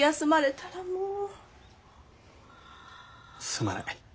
すまない。